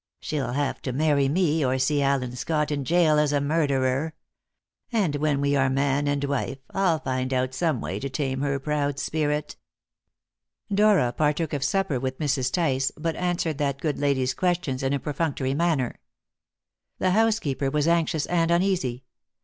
"She'll have to marry me, or see Allen Scott in gaol as a murderer. And when we are man and wife, I'll find out some way to tame her proud spirit." Dora partook of supper with Mrs. Tice, but answered that good lady's questions in a perfunctory manner. The housekeeper was anxious and uneasy.